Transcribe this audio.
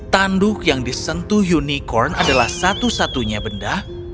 tanduk yang disentuh unicorn adalah satu satunya benda